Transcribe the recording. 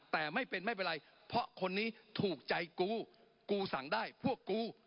แต่ไม่เป็นไม่เป็นไรเพราะคนนี้ถูกใจกูกูสั่งได้พวกกู